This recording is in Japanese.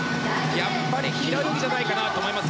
やっぱり平泳ぎじゃないかなと思います。